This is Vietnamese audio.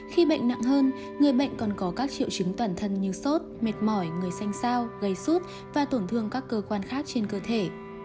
khi bệnh nặng hơn người bệnh còn có các triệu chứng toàn thân như sốt mệt mỏi người xanh sao gây sốt và tổn thương các cơ quan khác trên cơ thể